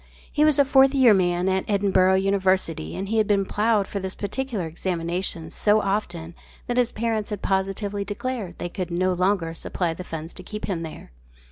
He was a "Fourth Year Man" at Edinburgh University and he had been ploughed for this particular examination so often that his parents had positively declared they could no longer supply the funds to keep him there.